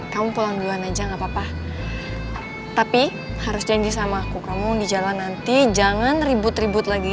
kamu pulang duluan aja nggak apa apa tapi harus janji sama aku kamu di jalan nanti jangan ribut ribut lagi